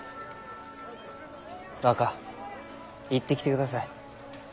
若行ってきてください。